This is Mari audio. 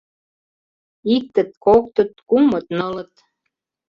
Иктыт, коктыт, кумыт, нылыт -